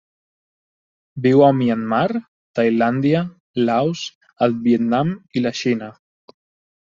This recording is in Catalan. Viu a Myanmar, Tailàndia, Laos, el Vietnam i la Xina.